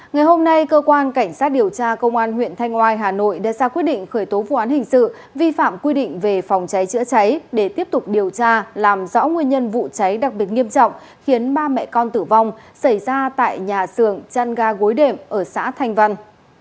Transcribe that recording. ngày hôm nay cơ quan cảnh sát điều tra công an huyện thanh oai hà nội đã ra quyết định khởi tố vụ án hình sự vi phạm quy định về phòng cháy chữa cháy để tiếp tục điều tra làm rõ nguyên nhân vụ cháy đặc biệt nghiêm trọng khiến ba mẹ con tử vong xảy ra tại nhà xưởng chăn ga gối đệm ở xã thanh văn